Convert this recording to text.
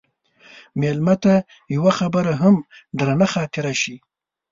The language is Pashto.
مېلمه ته یوه خبره هم درنه خاطره شي.